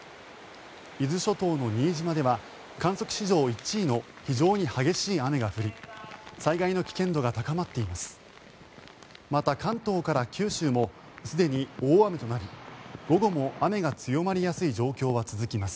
伊豆諸島の新島では観測史上１位の非常に激しい雨が降り災害の危険度が高まっています。